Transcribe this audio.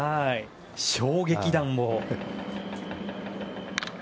衝撃弾を。